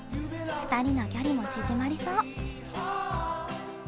２人の距離も縮まりそう。